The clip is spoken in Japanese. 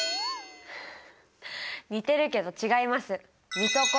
似てるけど違います。